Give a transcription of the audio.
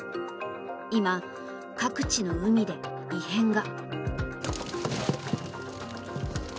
今、各地の海で異変が。